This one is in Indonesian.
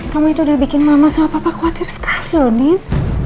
kamu itu udah bikin mama sama papa khawatir sekali loh din